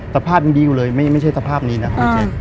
สภาพยังดีอยู่เลยไม่ใช่สภาพนี้นะพี่แจ๊ค